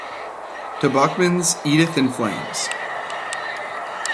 Tobocman's Edith In Flames.